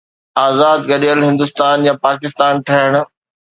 آزاد گڏيل هندستان يا پاڪستان ٺهڻ؟